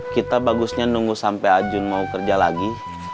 kita bagusnya nunggu sampai ajun mau kerja lagi